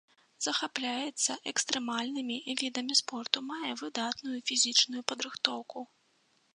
Захапляецца экстрэмальнымі відамі спорту, мае выдатную фізічную падрыхтоўку.